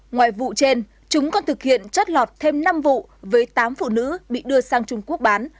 ngoài vụ trên chúng còn thực hiện chất lọt thêm năm vụ với tám phụ nữ bị đưa sang trung quốc bán